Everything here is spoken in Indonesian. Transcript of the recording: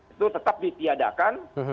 itu tetap ditiadakan